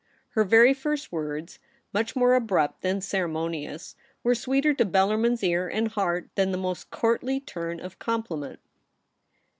Her very first words, much more abrupt than ceremonious, were sweeter to Bellarmln's ear and heart than the most courtly turn of com pliment.